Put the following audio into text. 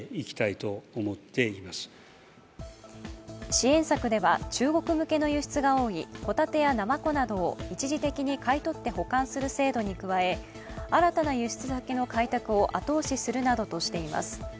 支援策では中国向けの輸出が多いホタテやナマコなどを一時的に買い取って保管する制度に加え新たな輸出先の開拓を後押しするなどとしています。